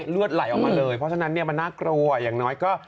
เลือดไหลออกมาเลยเพราะฉะนั้นเนี่ยมันน่ากลัวอย่างน้อยก็